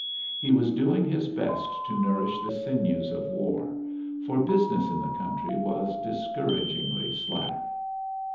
He was doing his best to nourish the sinews of war, for business in the country was discouragingly slack.